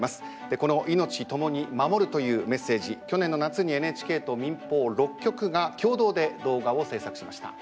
この「いのちともに守る」というメッセージ去年の夏にＮＨＫと民放６局が共同で動画を制作しました。